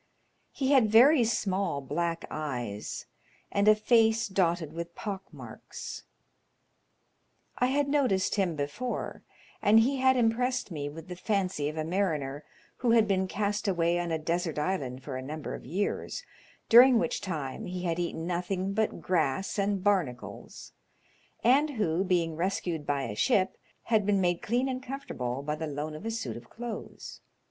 He had very small black eyes, and a face dotted with pock marks. I had noticed him before, and he had impressed me with the fancy of a mariner who had been cast away on a desert island for a number of years, during which time he had eaten nothing but grass and barnacles, and who, being rescued by a ship, had been made clean and comfortable by the loan of a suit of clothes.